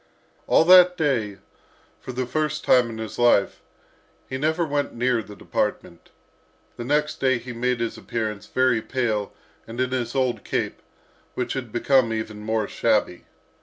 All that day, for the first time in his life, he never went near the department. The next day he made his appearance, very pale, and in his old cape, which had become even more shabby.